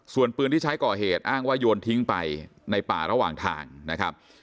ส่วนปืนที่ใช้ก่อเหตุอ้างว่าโยนทิ้งไปในป่าระหว่างทางนะครับ